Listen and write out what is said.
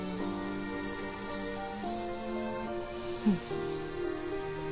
うん。